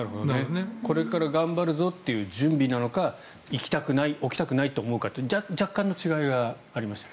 これから頑張るぞという準備なのか起きたくないと思うか若干の違いがありますが。